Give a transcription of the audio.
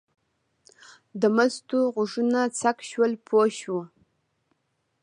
د مستو غوږونه څک شول پوه شوه.